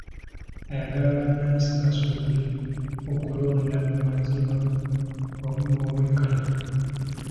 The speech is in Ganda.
Ayagala bannansi basobole okulonda mu mazima wamu n'obwenkanya.